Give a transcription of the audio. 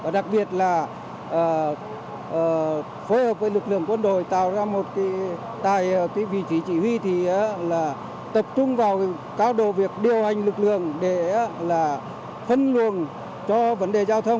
đặc biệt là phối hợp với lực lượng quân đội tạo ra một vị trí chỉ huy tập trung vào cao độ việc điều hành lực lượng để phân luồng cho vấn đề giao thông